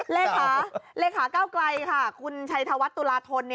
เลขาเลขาเก้าไกลค่ะคุณชัยธวัฒน์ตุลาธน